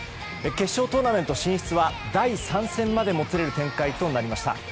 決勝トーナメント進出は第３戦までもつれる展開となりました。